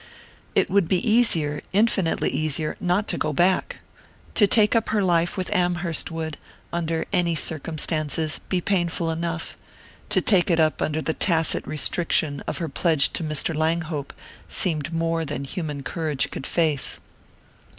It would be easier infinitely easier not to go back. To take up her life with Amherst would, under any circumstances, be painful enough; to take it up under the tacit restriction of her pledge to Mr. Langhope seemed more than human courage could face.